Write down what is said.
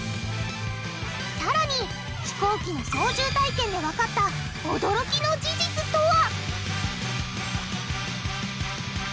さらに飛行機の操縦体験でわかった驚きの事実とは？